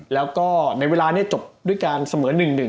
แล้วก็ในเวลานี้จบด้วยการเสมอ๑๑